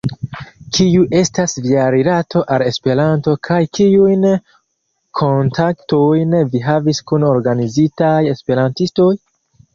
Kiu estas via rilato al Esperanto kaj kiujn kontaktojn vi havis kun organizitaj esperantistoj?